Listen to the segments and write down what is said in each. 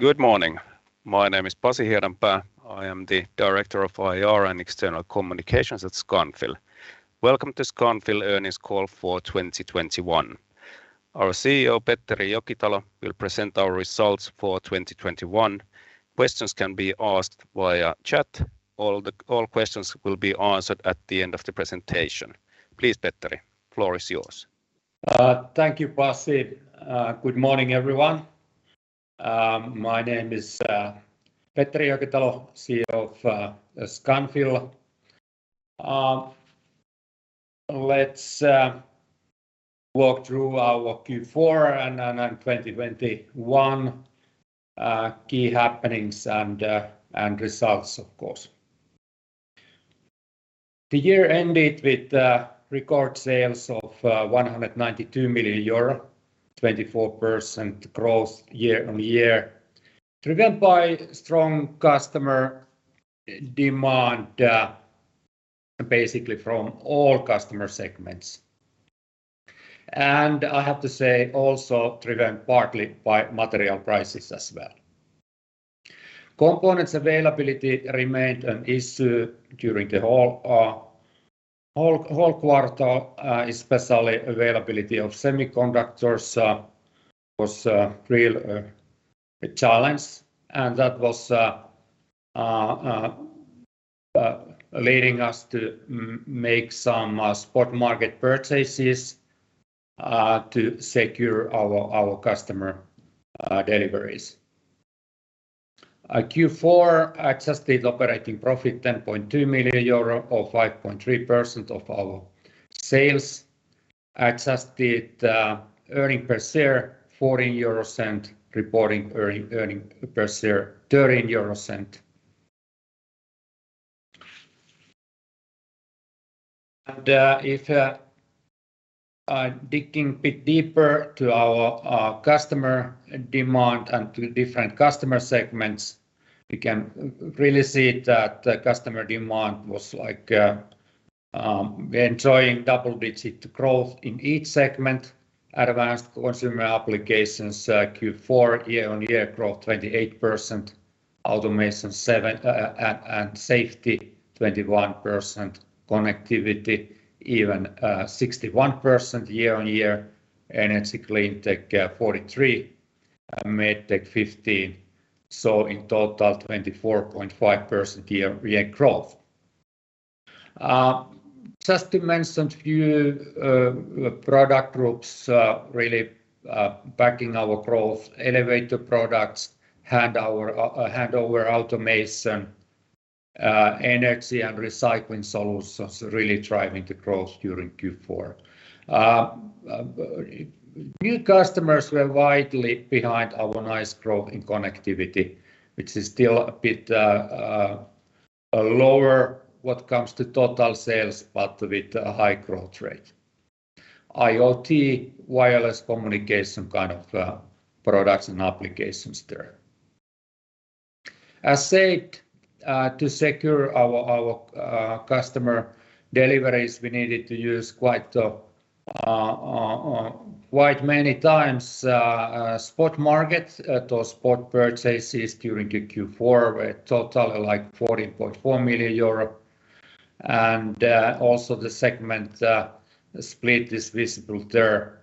Good morning. My name is Pasi Hiedanpää. I am the Director of IR and External Communications at Scanfil. Welcome to Scanfil earnings call for 2021. Our CEO, Petteri Jokitalo, will present our results for 2021. Questions can be asked via chat. All questions will be answered at the end of the presentation. Please, Petteri, floor is yours. Thank you, Pasi. Good morning, everyone. My name is Petteri Jokitalo, CEO of Scanfil. Let's walk through our Q4 and 2021 key happenings and results of course. The year ended with record sales of 192 million euro, 24% growth year-on-year. Driven by strong customer demand basically from all customer segments. I have to say also driven partly by material prices as well. Components availability remained an issue during the whole quarter, especially availability of semiconductors was a real challenge, and that was leading us to make some spot market purchases to secure our customer deliveries. Q4 adjusted operating profit 10.2 million euro or 5.3% of our sales. Adjusted earnings per share 0.14 EUR. Reporting earnings per share 0.13 EUR. If digging a bit deeper to our customer demand and to different customer segments, we can really see that the customer demand was like enjoying double-digit growth in each segment. Advanced Consumer Applications Q4 year-on-year growth 28%. Automation & Safety 21%. Connectivity even 61% year on year. Energy & Cleantech 43%. Medtech 15%. In total, 24.5% year-on-year growth. Just to mention a few product groups really backing our growth, elevator products, Handover Automation, Energy and Recycling Solutions really driving the growth during Q4. New customers were widely behind our nice growth in Connectivity, which is still a bit lower when it comes to total sales, but with a high growth rate. IoT, wireless communication kind of products and applications there. As said, to secure our customer deliveries, we needed to use quite many times spot market. Those spot purchases during the Q4 were total like 40.4 million euro. Also the segment split is visible there.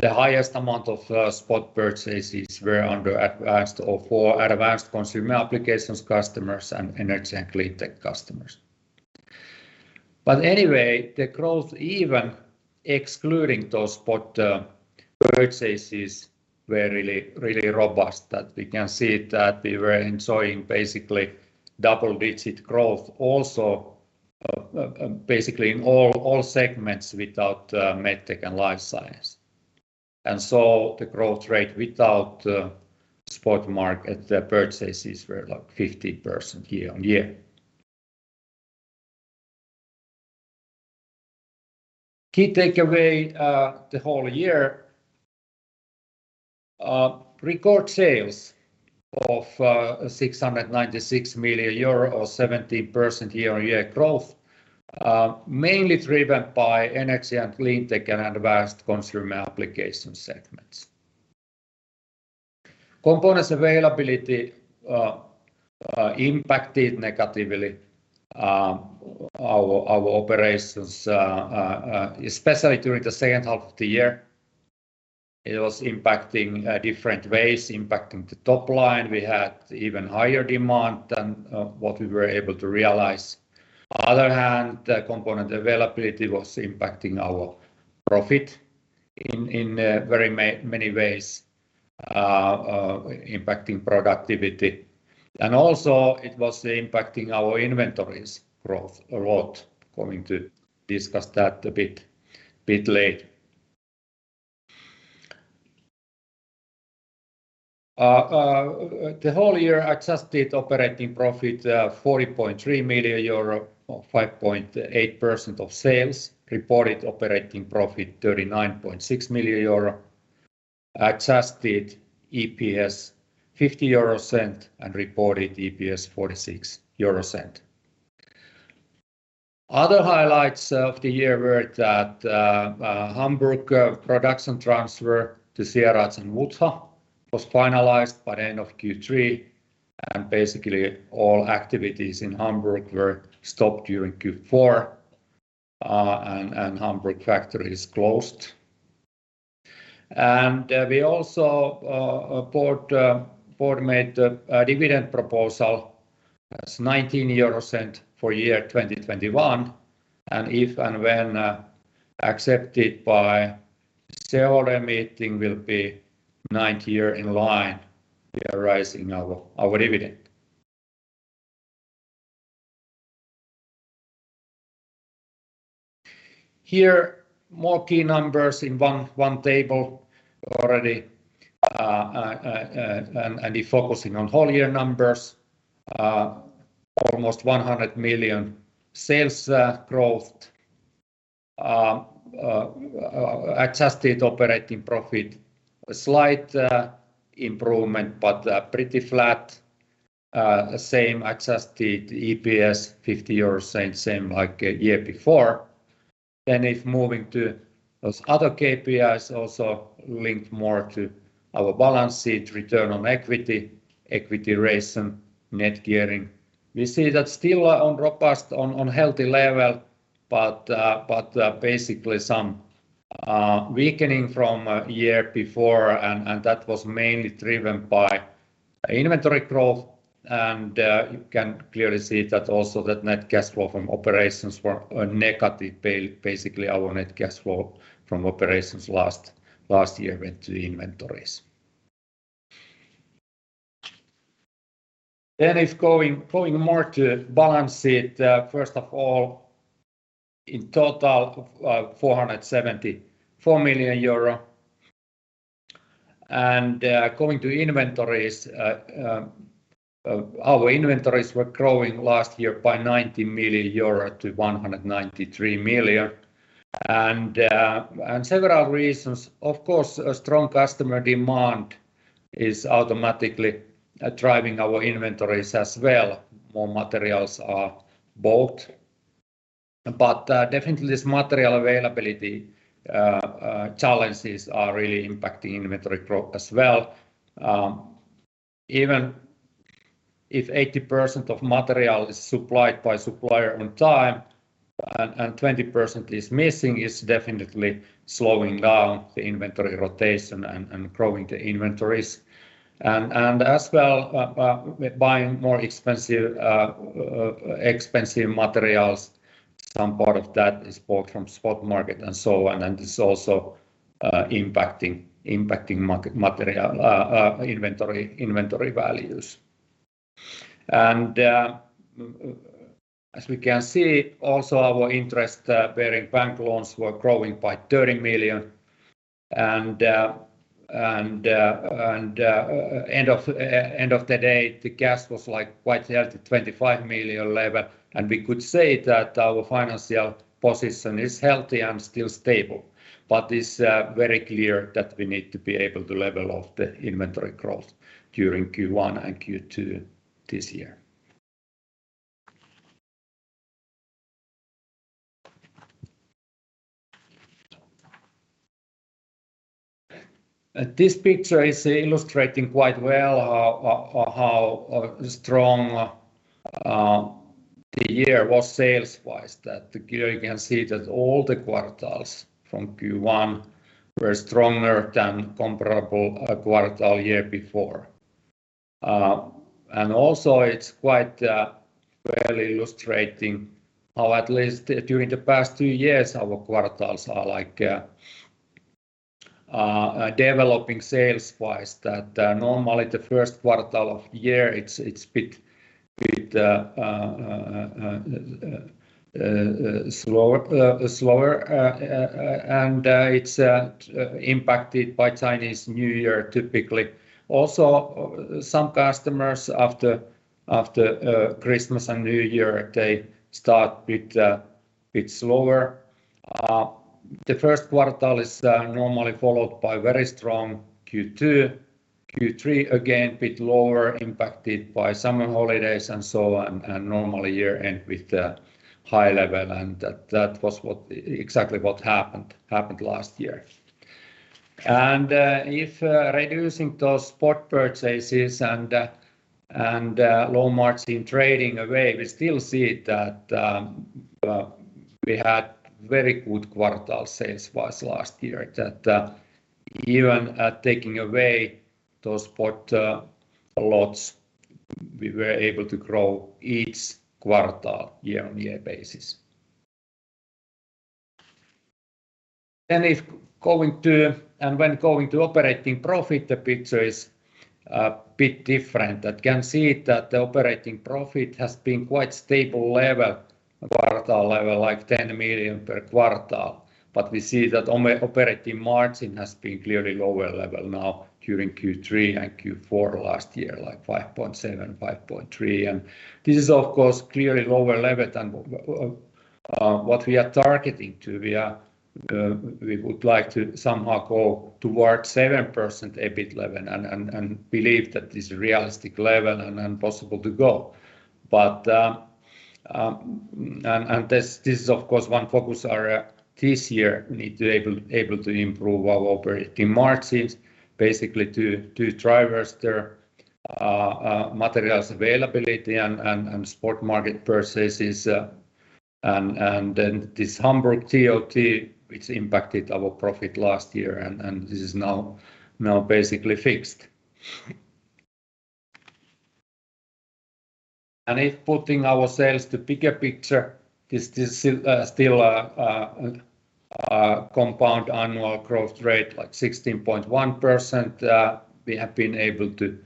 The highest amount of spot purchases were under Advanced Consumer Applications customers and Energy and Cleantech customers. Anyway, the growth even excluding those spot purchases were really robust that we can see that we were enjoying basically double-digit growth also basically in all segments without Medtech & Life Science. The growth rate without spot market purchases were like 50% year-on-year. Key takeaway the whole year record sales of 696 million euro or 70% year-on-year growth mainly driven by Energy & Cleantech and Advanced Consumer Applications segments. Component availability impacted negatively our operations especially during the second half of the year. It was impacting in different ways, impacting the top line. We had even higher demand than what we were able to realize. Other hand, the component availability was impacting our profit in very many ways, impacting productivity. It was impacting our inventories growth a lot. Going to discuss that a bit later. The whole year adjusted operating profit 40.3 million euro or 5.8% of sales. Reported operating profit 39.6 million euro. Adjusted EPS 0.50 and reported EPS 0.46. Other highlights of the year were that Hamburg production transfer to Sieradz and Wutha was finalized by the end of Q3, and basically all activities in Hamburg were stopped during Q4, and Hamburg factory is closed. We also the Board made a dividend proposal as 0.19 for year 2021, and if and when accepted by shareholder meeting will be ninth year in line we are raising our dividend. Here more key numbers in one table already. Focusing on whole year numbers. Almost EUR 100 million sales growth. Adjusted operating profit, a slight improvement, but pretty flat. Same adjusted EPS 0.50, same like year before. If moving to those other KPIs also linked more to our balance sheet, return on equity ratio, net gearing. We see that still on robust, healthy level, but basically some weakening from year before and that was mainly driven by inventory growth. You can clearly see that also that net cash flow from operations were negative. Basically, our net cash flow from operations last year went to the inventories. If going more to balance sheet, first of all, in total of EUR 474 million. Going to inventories, our inventories were growing last year by 90 million euro to 193 million. Several reasons, of course, a strong customer demand is automatically driving our inventories as well. More materials are bought, but definitely this material availability challenges are really impacting inventory growth as well. Even if 80% of material is supplied by supplier on time and 20% is missing, it's definitely slowing down the inventory rotation and growing the inventories. Buying more expensive materials. Some part of that is bought from spot market and so on, and it's also impacting material inventory values. As we can see also our interest-bearing bank loans were growing by 30 million and end of the day, the cash was like quite healthy, 25 million level. We could say that our financial position is healthy and still stable, but it is very clear that we need to be able to level off the inventory growth during Q1 and Q2 this year. This picture is illustrating quite well how strong the year was sales-wise. That here you can see that all the quarters from Q1 were stronger than comparable quarter year before. Also it's quite well illustrating how at least during the past two years, our quarters are like developing sales-wise. That normally the first quarter of the year it's bit slower, and it's impacted by Chinese New Year typically. Also some customers after Christmas and New Year, they start bit slower. The first quarter is normally followed by very strong Q2. Q3 again bit lower impacted by summer holidays and so on, and normally year-end with the high level and that was exactly what happened last year. If reducing those spot purchases and low margin trading away, we still see that we had very good quarter sales last year. That even at taking away those spot lots, we were able to grow each quarter year-on-year basis. When going to operating profit, the picture is a bit different. I can see that the operating profit has been quite stable level, quarter level, like 10 million per quarter. We see that operating margin has been clearly lower level now during Q3 and Q4 last year, like 5.7%, 5.3%. This is of course clearly lower level than what we are targeting to. We would like to somehow go towards 7% EBIT level and believe that this is a realistic level and possible to go. This is of course one focus area this year. We need to improve our operating margins basically despite the materials availability and spot market purchases and then this Hamburg TOT, which impacted our profit last year and this is now basically fixed. If we put our sales into the bigger picture, this is still a compound annual growth rate like 16.1%. We have been able to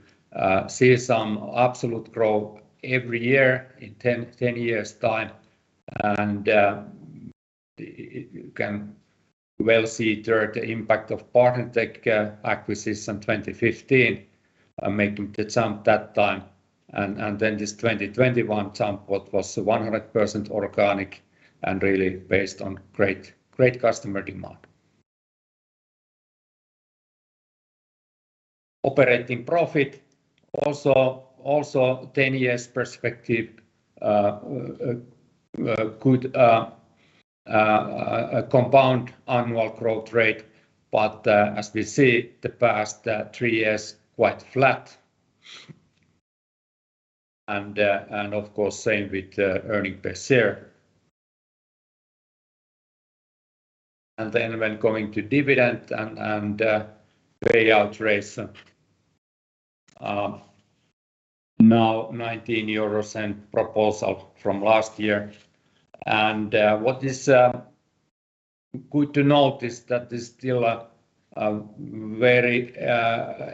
see some absolute growth every year in 10 years' time. You can well see there the impact of PartnerTech acquisition 2015, making the jump that time. Then this 2021 jump, what was 100% organic and really based on great customer demand. Operating profit, also 10 years perspective, could compound annual growth rate. As we see the past three years quite flat. Of course, same with earnings per share. When going to dividend and payout ratio, now 19 euro and proposal from last year. What is good to note is that it is still a very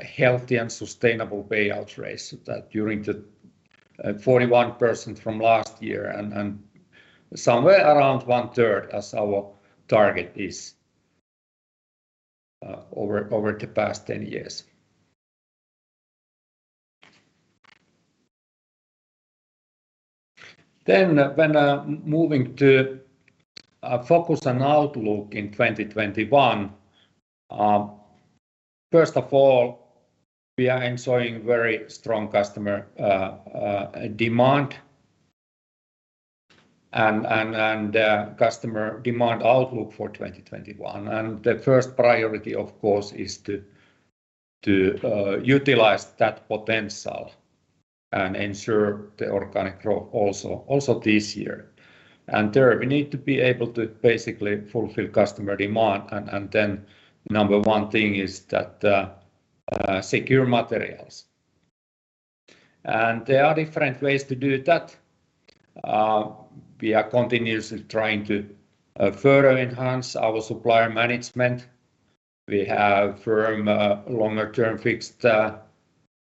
healthy and sustainable payout ratio at 41% from last year and somewhere around 1/3 as our target is over the past 10 years. When moving to focus and outlook in 2021, first of all, we are enjoying very strong customer demand and customer demand outlook for 2021. The first priority, of course, is to utilize that potential and ensure the organic growth also this year. There we need to be able to basically fulfill customer demand and then number one thing is that secure materials. There are different ways to do that. We are continuously trying to further enhance our supplier management. We have firm longer term fixed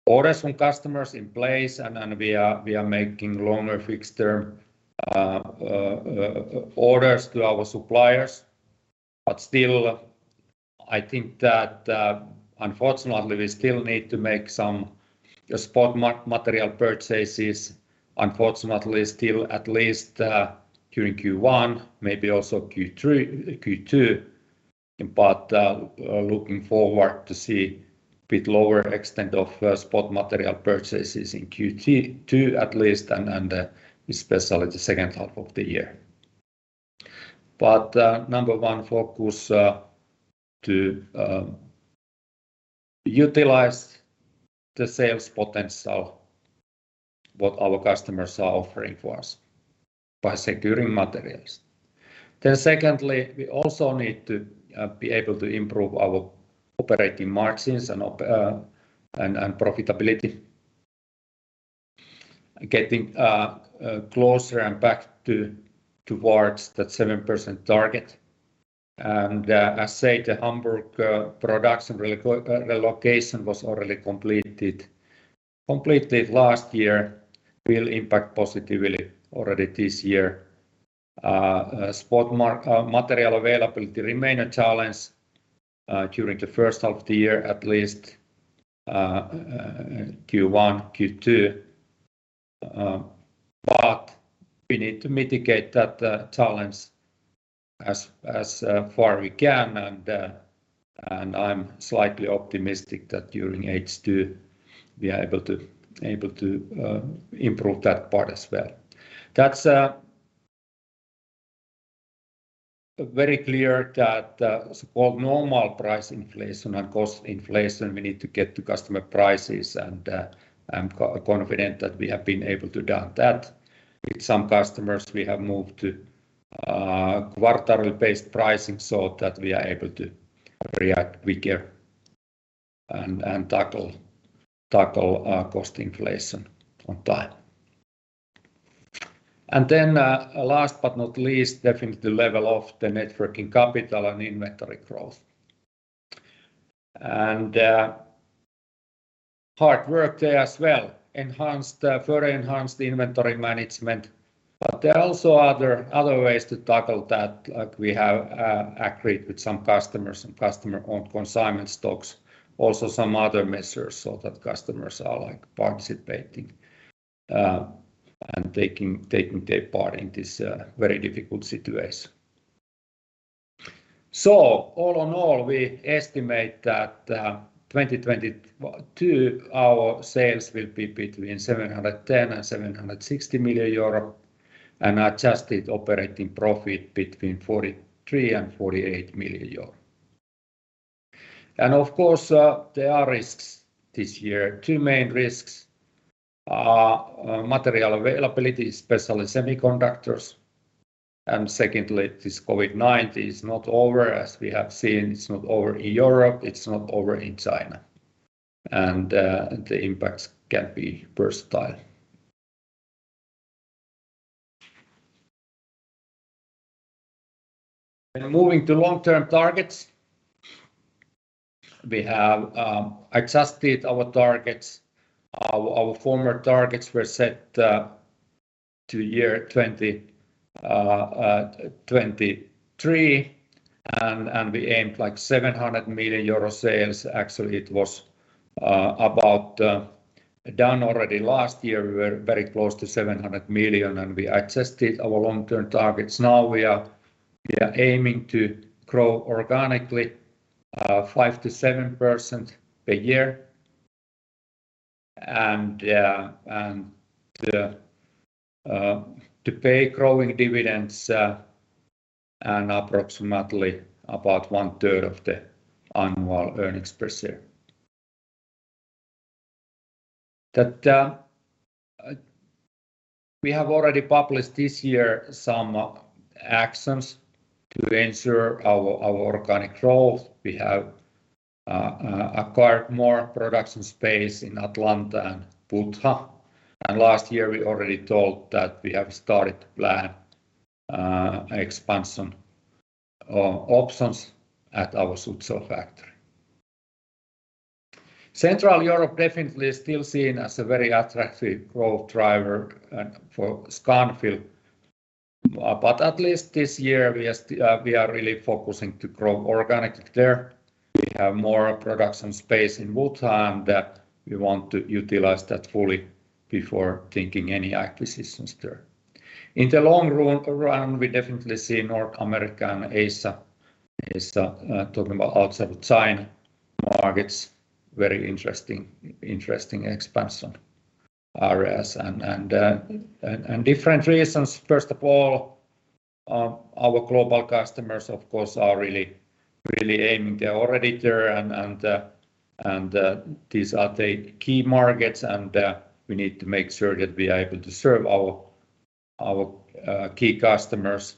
orders from customers in place, and then we are making longer fixed term orders to our suppliers. Still, I think that unfortunately we still need to make some spot material purchases, unfortunately still at least during Q1, maybe also Q2. Looking forward to see a bit lower extent of spot material purchases in Q2 at least, and especially the second half of the year. Number one focus to utilize the sales potential what our customers are offering for us by securing materials. Secondly, we also need to be able to improve our operating margins and profitability. Getting closer and back towards that 7% target. As said, the Hamburg production relocation was already completed last year, will impact positively already this year. Spot market material availability remain a challenge during the first half of the year at least, Q1, Q2. We need to mitigate that challenge as far as we can. I'm slightly optimistic that during H2 we are able to improve that part as well. That's very clear that so-called normal price inflation and cost inflation, we need to get to customer prices. I'm confident that we have been able to do that. With some customers, we have moved to quarterly based pricing so that we are able to react quicker and tackle cost inflation on time. Last but not least, definitely the level of the net working capital and inventory growth. Hard work there as well. Further enhanced inventory management. There are also other ways to tackle that. Like we have agreed with some customers and customer on consignment stocks, also some other measures so that customers are like participating and taking their part in this very difficult situation. All in all, we estimate that 2022, our sales will be between 710 million and 760 million euro, and adjusted operating profit between 43 million and 48 million euro. Of course, there are risks this year. Two main risks are material availability, especially semiconductors, and secondly, this COVID-19 is not over, as we have seen. It's not over in Europe, it's not over in China, and the impacts can be versatile. Moving to long-term targets, we have adjusted our targets. Our former targets were set to year 2023, and we aimed like 700 million euro sales. Actually, it was about done already last year. We were very close to 700 million and we adjusted our long-term targets. We are aiming to grow organically 5%-7% per year, and to pay growing dividends and approximately about one third of the annual earnings per share. That we have already published this year some actions to ensure our organic growth. We have acquired more production space in Atlanta and Wuxi. Last year we already told that we have started to plan expansion options at our Suzhou factory. Central Europe definitely is still seen as a very attractive growth driver for Scanfil, but at least this year we are really focusing to grow organically there. We have more production space in Wuxi and that we want to utilize that fully before thinking any acquisitions there. In the long run, we definitely see North America and Asia is talking about outside China markets very interesting expansion areas and different reasons. First of all, our global customers, of course, are really aiming. They're already there and these are the key markets and we need to make sure that we are able to serve our key customers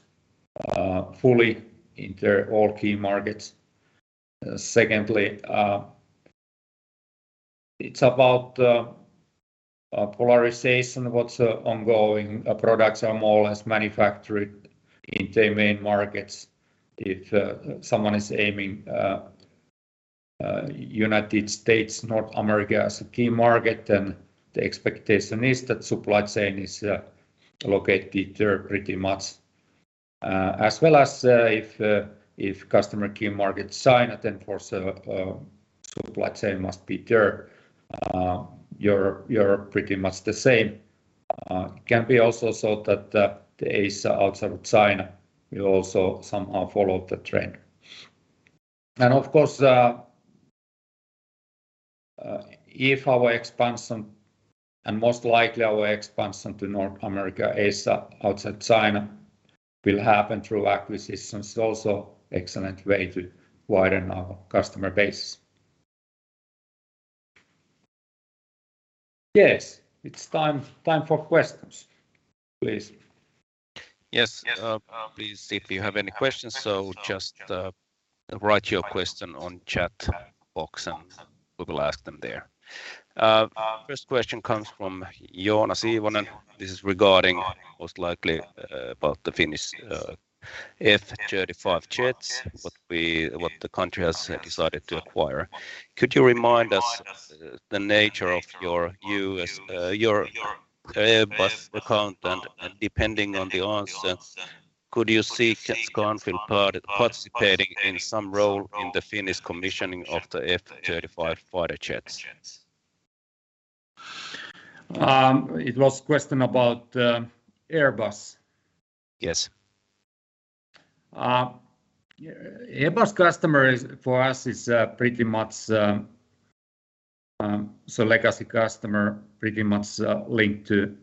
fully in their all key markets. Secondly, it's about polarization what's ongoing. Products are more or less manufactured in the main markets. If someone is aiming United States, North America as a key market, then the expectation is that supply chain is located there pretty much. As well as if customer key market China then supply chain must be there. Europe pretty much the same. Can be also so that the Asia outside of China will also somehow follow the trend. Of course if our expansion and most likely our expansion to North America Asia outside China will happen through acquisitions also excellent way to widen our customer base. Yes, it's time for questions. Please. Yes. Please, if you have any questions, so just write your question on chat box and we will ask them there. First question comes from Joonas Ilvonen. This is regarding most likely about the Finnish F-35 jets, what the country has decided to acquire. Could you remind us the nature of your Airbus account and depending on the answer, could you see Scanfil participating in some role in the Finnish commissioning of the F-35 fighter jets? It was a question about Airbus? Yes. The Airbus customer is for us pretty much a legacy customer linked to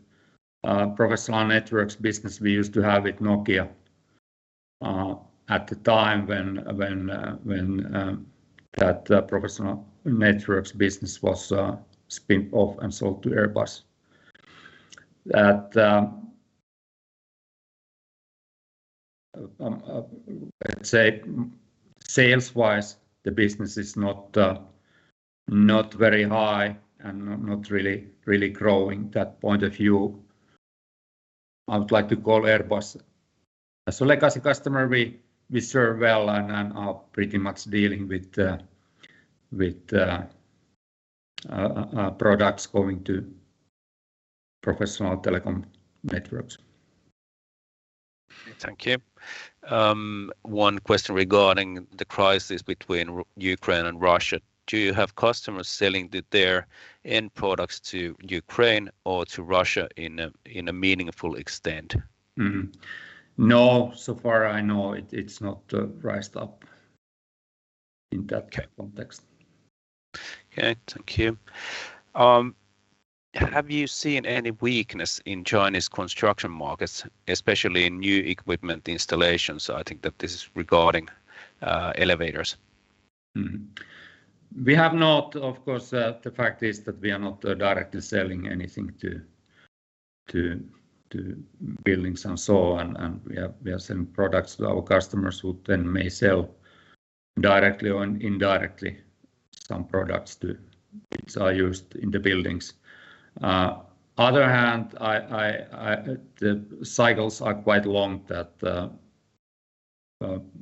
professional networks business we used to have with Nokia at the time when that professional networks business was spun off and sold to Airbus. That, let's say, sales-wise the business is not very high and not really growing from that point of view. I would like to call Airbus a legacy customer we serve well and are pretty much dealing with products going to professional telecom networks. Thank you. One question regarding the crisis between Ukraine and Russia. Do you have customers selling their end products to Ukraine or to Russia in a meaningful extent? Mm-hmm. No. So far as I know, it's not raised up in that context. Okay, thank you. Have you seen any weakness in Chinese construction markets, especially in new equipment installations? I think that this is regarding elevators. We have not. Of course, the fact is that we are not directly selling anything to buildings and so on, and we are selling products to our customers who then may sell directly or indirectly some products to which are used in the buildings. On the other hand, the cycles are quite long that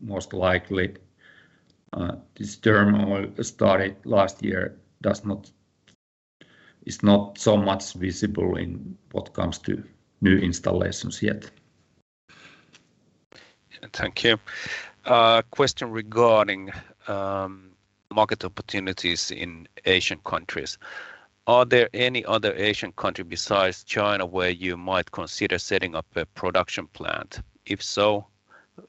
most likely this turmoil started last year is not so much visible when it comes to new installations yet. Thank you. Question regarding market opportunities in Asian countries. Are there any other Asian country besides China where you might consider setting up a production plant? If so,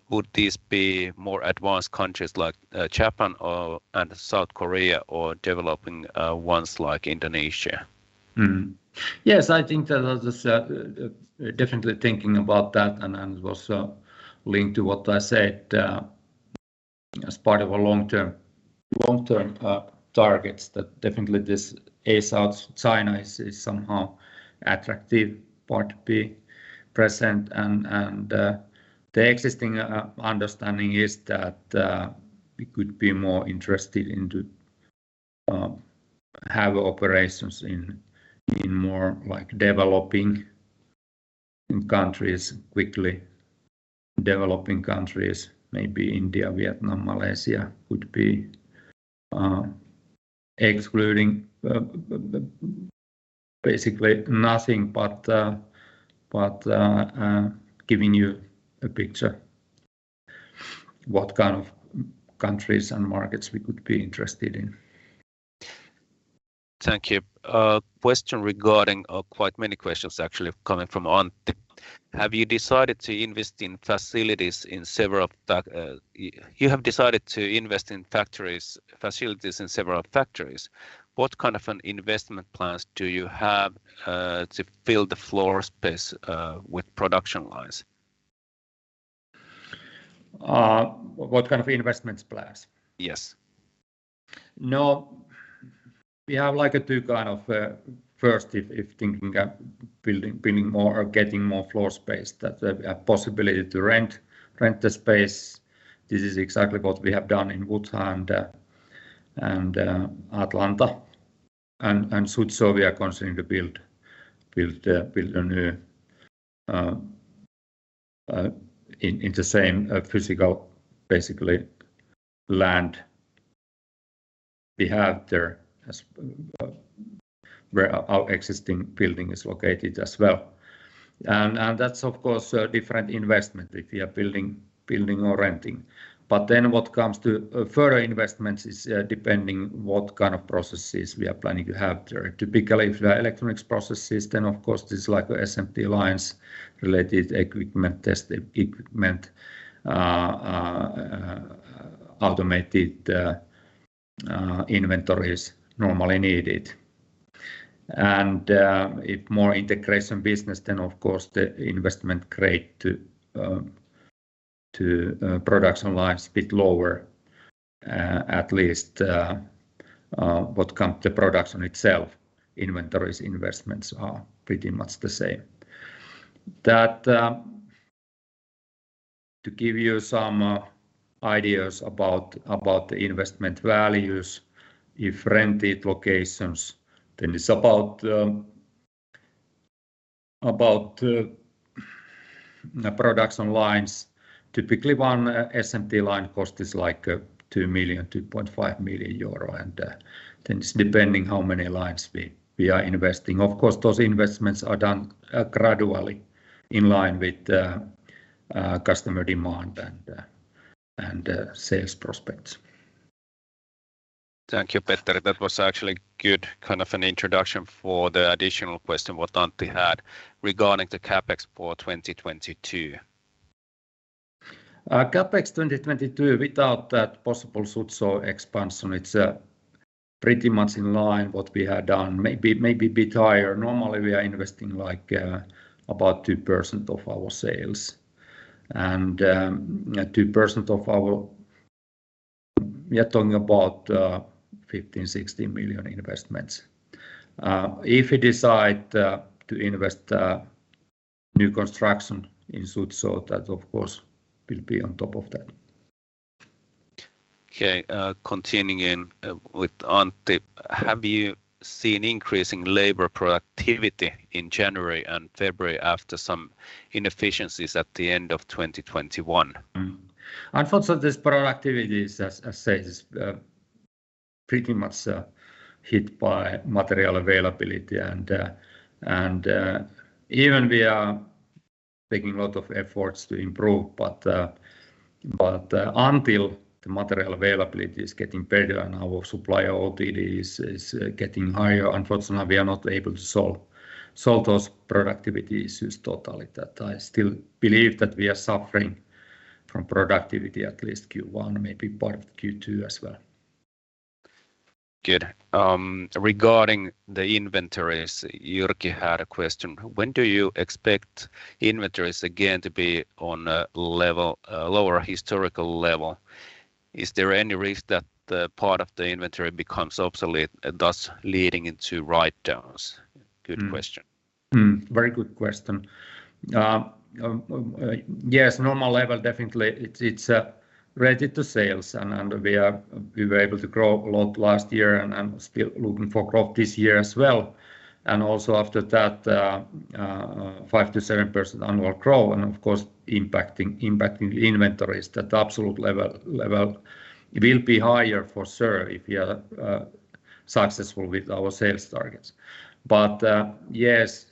would these be more advanced countries like Japan or South Korea or developing ones like Indonesia? Mm-hmm. Yes, I think that was definitely thinking about that and was linked to what I said as part of a long-term targets that definitely this Asia China is somehow attractive part to be present and the existing understanding is that we could be more interested into have operations in more like developing countries quickly. Developing countries, maybe India, Vietnam, Malaysia could be excluding basically nothing but giving you a picture what kind of countries and markets we could be interested in. Thank you. Question regarding, or quite many questions actually coming from Antti. Have you decided to invest in facilities in several factories? What kind of an investment plans do you have to fill the floor space with production lines? What kind of investment plans? Yes. No, we have like two kinds of, first, if thinking of building more or getting more floor space that we have possibility to rent the space. This is exactly what we have done in Wutha and Atlanta. Suzhou we are considering to build a new in the same physical basically land we have there as where our existing building is located as well. That's of course a different investment if we are building or renting. What comes to further investments is depending what kind of processes we are planning to have there. Typically, if there are electronics processes, then of course this is like SMT lines related equipment, test equipment, automated inventories normally needed. If more integration business, then of course the investments go to production lines a bit lower, at least what comes to the production itself. Inventory investments are pretty much the same. To give you some ideas about the investment values, if rented locations, then it's about production lines. Typically, one SMT line cost is like 2 million-2.5 million euro, and then it's depending how many lines we are investing. Of course, those investments are done gradually in line with the customer demand and sales prospects. Thank you, Petteri. That was actually good kind of an introduction for the additional question what Antti had regarding the CapEx for 2022. CapEx 2022 without that possible Suzhou expansion, it's pretty much in line with what we had done, maybe a bit higher. Normally, we are investing like about 2% of our sales. We are talking about 15 million-60 million investments. If we decide to invest new construction in Suzhou, that of course will be on top of that. Okay. Continuing with Antti. Have you seen increasing labor productivity in January and February after some inefficiencies at the end of 2021? Unfortunately, this productivity is, as said, pretty much hit by material availability and even we are taking a lot of efforts to improve, but until the material availability is getting better and our supplier OTD is getting higher, unfortunately, we are not able to solve those productivity issues totally. That I still believe that we are suffering from productivity at least Q1, maybe part of Q2 as well. Good. Regarding the inventories, Jyrki had a question: When do you expect inventories again to be on a level, a lower historical level? Is there any risk that the part of the inventory becomes obsolete, thus leading into write-downs? Good question. Very good question. Yes, normal level, definitely it's ready for sales and we were able to grow a lot last year and I'm still looking for growth this year as well. After that, 5%-7% annual growth and of course impacting the inventories. That absolute level will be higher for sure if we are successful with our sales targets. Yes,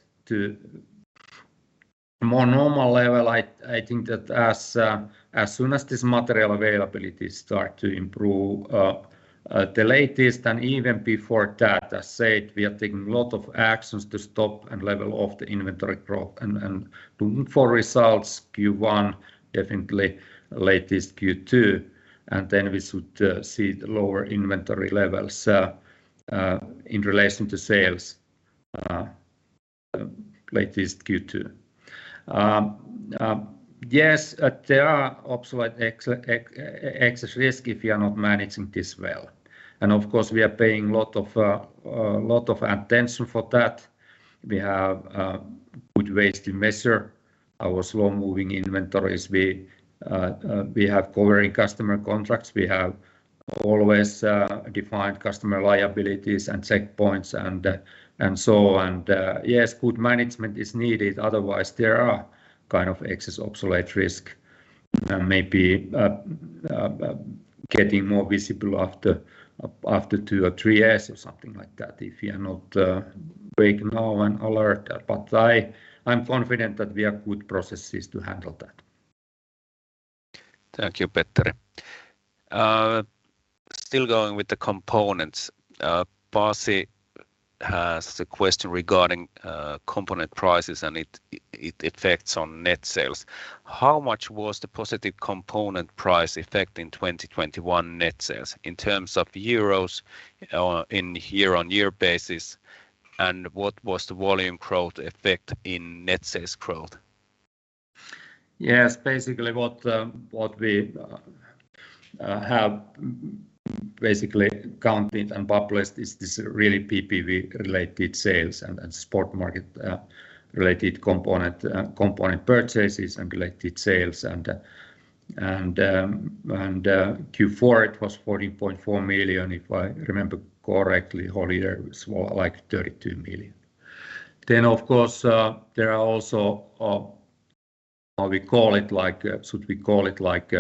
to more normal level, I think that as soon as this material availability start to improve, the latest and even before that, as said, we are taking a lot of actions to stop and level off the inventory growth and looking for results Q1, definitely latest Q2, and then we should see the lower inventory levels in relation to sales, latest Q2. Yes, there are obsolete excess risk if you are not managing this well. Of course, we are paying lot of attention for that. We have good ways to measure our slow-moving inventories. We have covering customer contracts. We have always defined customer liabilities and checkpoints and so on. Yes, good management is needed otherwise there are kind of excess obsolete risk, maybe getting more visible after two or three years or something like that if you are not awake now and alert. I'm confident that we have good processes to handle that. Thank you, Petteri. Still going with the components, Pasi has a question regarding component prices and its effects on net sales. How much was the positive component price effect in 2021 net sales in terms of euros or in year-over-year basis and what was the volume growth effect in net sales growth? Yes. Basically what we have basically counted and published is this really PPV-related sales and spot market related component purchases and related sales and Q4 it was 40.4 million if I remember correctly. Whole year it was more like 32 million. Of course, there are also what we call it like, should we call it like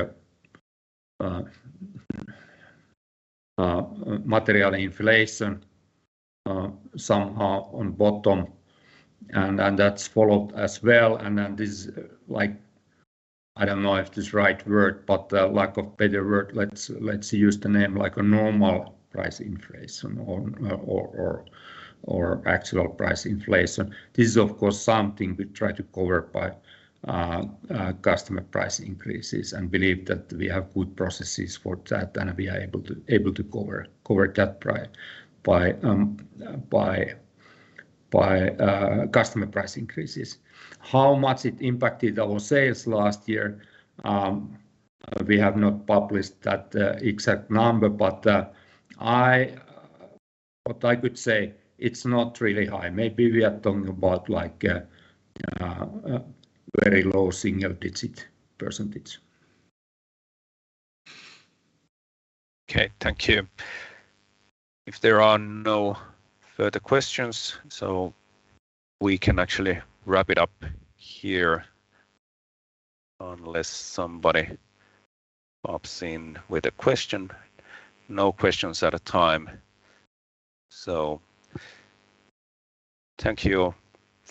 material inflation somehow on top and that's factored as well. This like I don't know if this is right word, but for lack of better word let's use the name like a normal price inflation or actual price inflation. This is of course something we try to cover by customer price increases and believe that we have good processes for that and we are able to cover that by customer price increases. How much it impacted our sales last year, we have not published that exact number, but, what I could say it's not really high. Maybe we are talking about like, very low single-digit percentage. Okay. Thank you. If there are no further questions, so we can actually wrap it up here unless somebody pops in with a question. No questions at this time. Thank you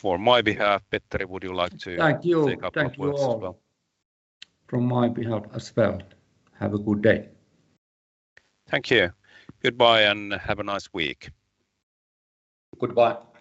on my behalf. Petteri, would you like to- Thank you.... take up your words as well? Thank you all on my behalf as well. Have a good day. Thank you. Goodbye and have a nice week. Goodbye.